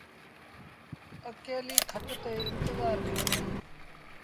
اڪيليٚ کٽ تي انتزآر ميݩ هُݩدي۔